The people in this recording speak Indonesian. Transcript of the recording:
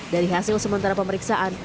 dari hasil sementara pemeriksaan